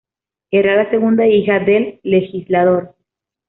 Era la segunda hija del legislador.